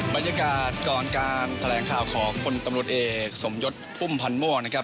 บรรยากาศก่อนการแถลงข่าวของคนตำรวจเอกสมยศพุ่มพันธ์ม่วงนะครับ